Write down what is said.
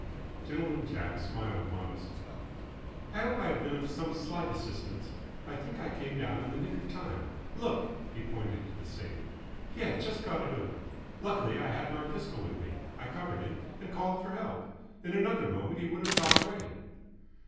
Gentleman Jack smiled modestly. "I hope I have been of some slight assistance! I think I came down in the nick of time. Look!" He pointed to the safe. "He had just got it open! Luckily I had my pistol with me. I covered him, and called for help. In another moment he would have got away."